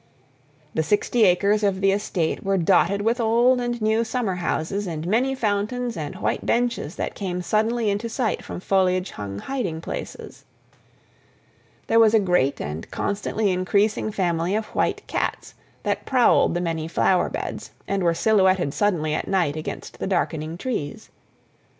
The sixty acres of the estate were dotted with old and new summer houses and many fountains and white benches that came suddenly into sight from foliage hung hiding places; there was a great and constantly increasing family of white cats that prowled the many flower beds and were silhouetted suddenly at night against the darkening trees.